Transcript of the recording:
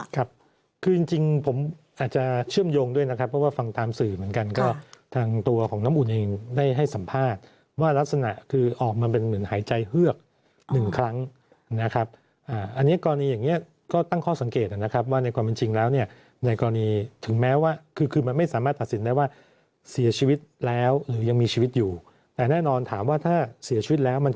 ครับคือจริงผมอาจจะเชื่อมโยงด้วยนะครับเพราะว่าฟังตามสื่อเหมือนกันก็ทางตัวของน้ำอุ่นเองได้ให้สัมภาษณ์ว่ารักษณะคือออกมาเป็นเหมือนหายใจเฮือก๑ครั้งนะครับอันนี้กรณีอย่างนี้ก็ตั้งข้อสังเกตนะครับว่าในความจริงแล้วเนี่ยในกรณีถึงแม้ว่าคือคือมันไม่สามารถตัดสินได้ว่าเสียช